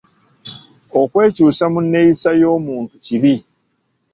Okwekyusa mu nneeyisa y'omuntu kibi.